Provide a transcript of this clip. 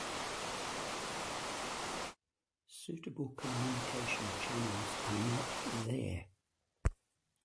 Suitable communication channels are not there.